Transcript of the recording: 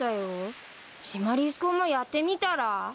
シマリス君もやってみたら？